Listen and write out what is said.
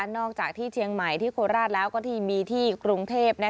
อกจากที่เชียงใหม่ที่โคราชแล้วก็ที่มีที่กรุงเทพ